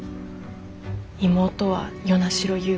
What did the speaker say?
妹は与那城優